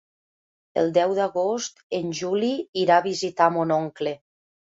El deu d'agost en Juli irà a visitar mon oncle.